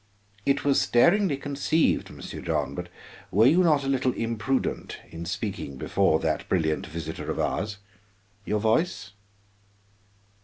"It was daringly conceived, Monsieur John, but were you not a trifle imprudent in speaking before that brilliant visitor of ours? Your voice?"